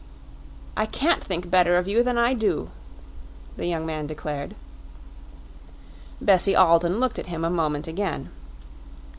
"I can't think better of you than I do," the young man declared. Bessie Alden looked at him a moment again.